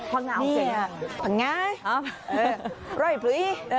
ผังงาเอาเสียงอ่ะผังงาร่อยผลุย